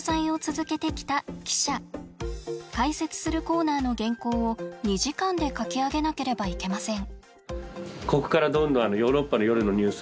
解説するコーナーの原稿を２時間で書き上げなければいけません。